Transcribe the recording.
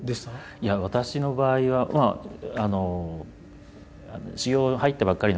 いや私の場合はまああの修業入ったばっかりのころ